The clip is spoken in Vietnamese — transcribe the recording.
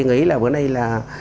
nghĩ là bữa nay là